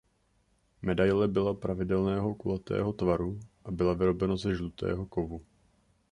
Medaile byla pravidelného kulatého tvaru a byla vyrobena ze žlutého kovu.